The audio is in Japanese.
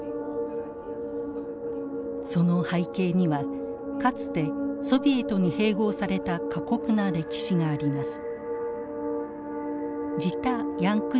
その背景にはかつてソビエトに併合された過酷な歴史があります。